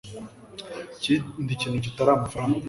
ikindi kintu kitari amafaranga